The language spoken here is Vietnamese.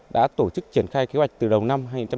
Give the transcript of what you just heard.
đã tổ chức triển khai kế hoạch từ đầu năm hai nghìn một mươi bảy